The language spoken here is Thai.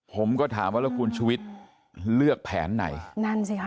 ผมก็ถามว่าคุณชวิตเลือกแผนไหน